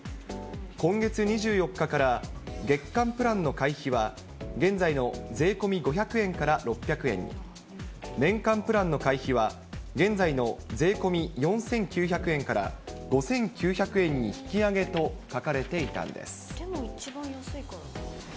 今月２４日から月間プランの会費は、現在の税込み５００円から６００円に、年間プランの会費は、現在の税込み４９００円から５９００円に引き上げと書かれてでも、一番安いから。